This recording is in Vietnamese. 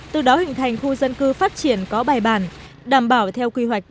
từ đó hình thành khu dân cư phát triển có bài bản đảm bảo theo kế hoạch đề ra